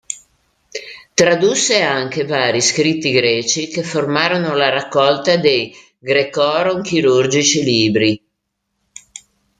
Tradusse anche vari scritti greci che formarono la raccolta dei "Graecorum chirurgici libri".